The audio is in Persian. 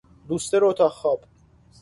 لوستر اتاق خواب